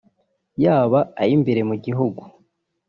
yaba ay’imbere mu gihugu